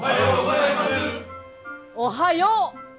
おはよう！